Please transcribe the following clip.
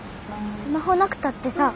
スマホなくたってさ。